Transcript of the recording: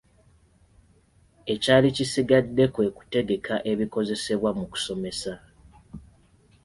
Ekyali kisigadde kwe kutegeka ebikozesebwa mu kusomesa.